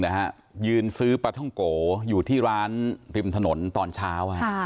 นะฮะยืนซื้อปลาท่องโกอยู่ที่ร้านริมถนนตอนเช้า